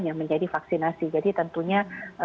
yang menjadi vaksinasi jadi tentunya